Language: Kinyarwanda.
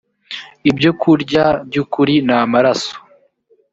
ibyokurya by ukuri n amaraso